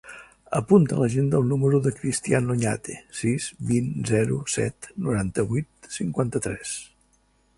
Apunta a l'agenda el número del Cristián Oñate: sis, vint, zero, set, noranta-vuit, cinquanta-tres.